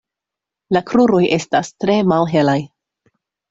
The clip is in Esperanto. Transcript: La kruroj estas tre malhelaj.